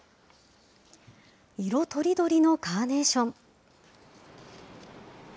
色とりどりのカーネーション。